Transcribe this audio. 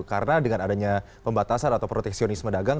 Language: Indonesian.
karena dengan adanya pembatasan atau proteksionisme dagang